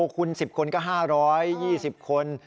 คุณ๑๐คนก็๕๒๐คน